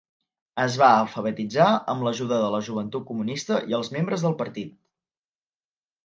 Es va alfabetitzar amb l'ajuda de la Joventut Comunista i els membres del partit.